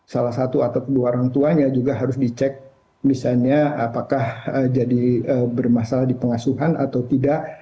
salah satu atau dua orang tuanya juga harus dicek misalnya apakah jadi bermasalah di pengasuhan atau tidak